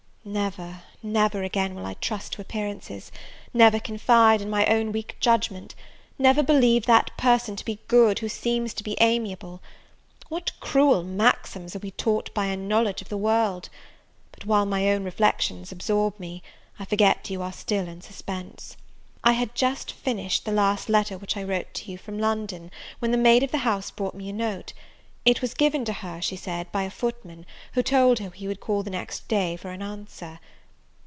Never, never again will I trust to appearances; never confide in my own weak judgment; never believe that person to be good who seems to be amiable! What cruel maxims are we taught by a knowledge of the world! But while my own reflections absorb me, I forget you are still in suspense. I had just finished the last letter which I wrote to you from London, when the maid of the house brought me a note. It was given to her, she said, by a footman, who told her he would call the next day for an answer.